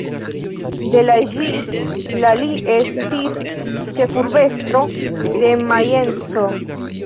De la ĝis la li estis ĉefurbestro de Majenco.